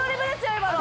今の！